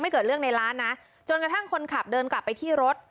เค้ากลับเดินกลับไปที่รถ